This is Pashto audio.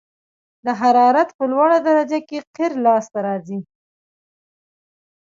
د حرارت په لوړه درجه کې قیر لاسته راځي